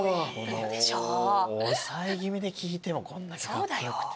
抑え気味で聴いてもこんだけカッコ良くて。